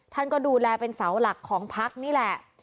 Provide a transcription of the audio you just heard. ท่านก็ดูแลเป็นเสาหลักของพักนี่แหละ